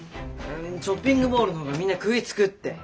ショッピングモールの方がみんな食いつくって。